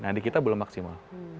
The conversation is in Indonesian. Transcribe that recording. nah di kita belum maksimal